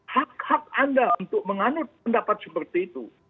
hak hak anda untuk menganut pendapat seperti itu